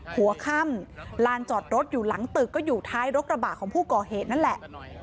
หัวค่ำลานจอดรถอยู่หลังตึกก็อยู่ท้ายรถกระบะของผู้ก่อเหตุนั่นแหละ